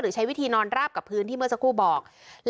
ใช้วิธีนอนราบกับพื้นที่เมื่อสักครู่บอก